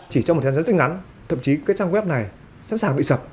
chỉ trong một thời gian rất ngắn thậm chí các trang web này sẵn sàng bị sập